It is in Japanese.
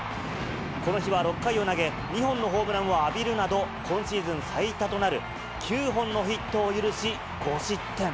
この日は６回を投げ、２本のホームランを浴びるなど、今シーズン最多となる９本のヒットを許し、５失点。